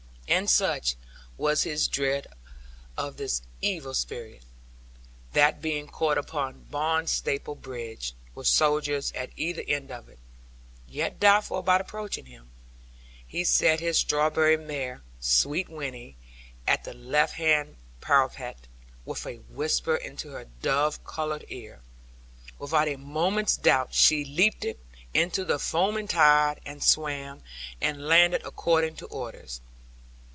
And such was his dread of this evil spirit, that being caught upon Barnstaple Bridge, with soldiers at either end of it (yet doubtful about approaching him), he set his strawberry mare, sweet Winnie, at the left hand parapet, with a whisper into her dove coloured ear. Without a moment's doubt she leaped it, into the foaming tide, and swam, and landed according to orders.